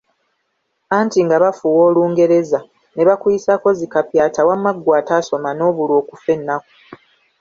Anti nga bafuuwa olungereza, ne bakuyisaako zi kapyata wamma ggwe atasooma n’obulwa okufa ennaku.